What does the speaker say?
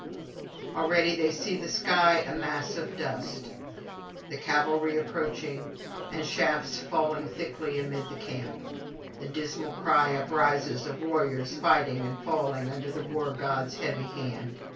Already they see the sky a mass of dust, the cavalry approaching, and shafts falling thickly amid the camp; the dismal cry uprises of warriors fighting and falling under the War god's heavy hand.